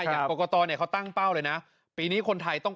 อย่างกรกตเขาตั้งเป้าเลยนะปีนี้คนไทยต้อง